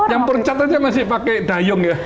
yang percatannya masih pakai dayung ya